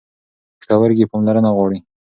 پښتورګي پاملرنه غواړي.